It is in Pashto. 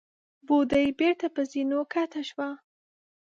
بوډۍ بېرته پر زينو کښته شوه.